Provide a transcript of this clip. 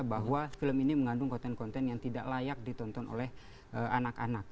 bahwa film ini mengandung konten konten yang tidak layak ditonton oleh anak anak